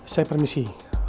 saya permisi pak